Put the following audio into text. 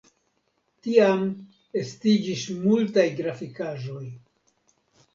Tiam estiĝis multaj grafikaĵoj.